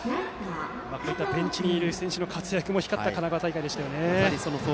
こういったベンチにいる選手の活躍も光った神奈川大会でしたよね。